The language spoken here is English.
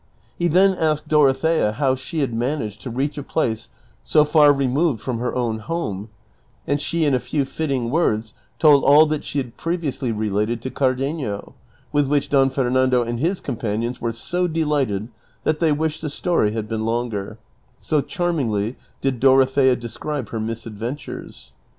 He then asked Dorothea how she had managed to reach a place so far removed from her own home, and she in a few fitting words told all that she had previously related to Car denio, with which Don Fernando and his companions were so delighted that they wished the story had been longer ; so charmingly did Dorothea describe her misadventures.